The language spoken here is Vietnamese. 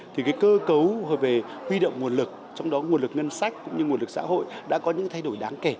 thì cái cơ cấu về huy động nguồn lực trong đó nguồn lực ngân sách cũng như nguồn lực xã hội đã có những thay đổi đáng kể